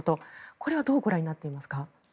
これはどうご覧になっていますか？